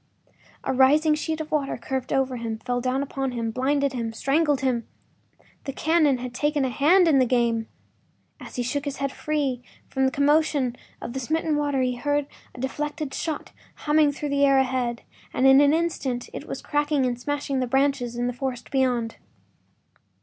A rising sheet of water curved over him, fell down upon him, blinded him, strangled him! The cannon had taken an hand in the game. As he shook his head free from the commotion of the smitten water he heard the deflected shot humming through the air ahead, and in an instant it was cracking and smashing the branches in the forest beyond.